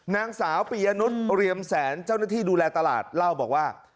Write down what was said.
นางสาวปียนุษย์เรียมแสนเจ้าหน้าที่ดูแลตลาดเล่าบอกว่า